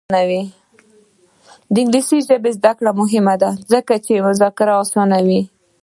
د انګلیسي ژبې زده کړه مهمه ده ځکه چې مذاکره اسانوي.